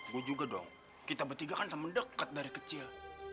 gue juga dong kita bertiga kan sama dekat dari kecil